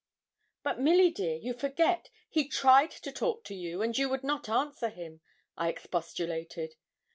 'But, Milly dear, you forget, he tried to talk to you, and you would not answer him,' I expostulated.